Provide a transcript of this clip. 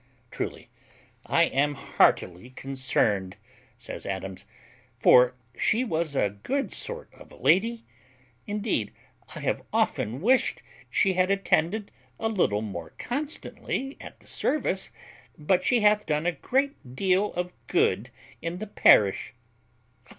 "Truly, I am heartily concerned," says Adams, "for she was a good sort of a lady. Indeed, I have often wished she had attended a little more constantly at the service, but she hath done a great deal of good in the parish."